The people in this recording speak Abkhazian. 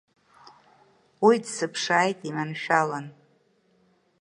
Уи дсыԥшааит, иманшәалан.